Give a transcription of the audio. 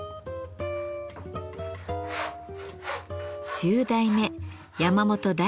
１０代目山本大輔さん。